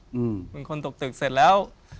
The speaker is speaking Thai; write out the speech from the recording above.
เหมือนคนตกตึกเสร็จแล้ว